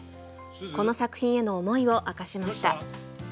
この作品への思いを明かしました。